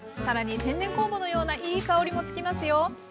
さらに天然酵母のようないい香りもつきますよ。